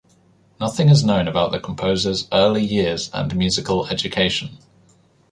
Nothing is known about the composer's early years and musical education.